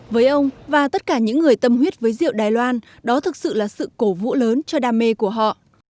với ông và tất cả những người tâm huyết với rượu đài loan đó thực sự là sự cổ vũ lớn cho đam mê của họ